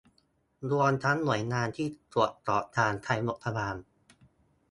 รวมทั้งหน่วยงานที่ตรวจสอบการใช้งบประมาณ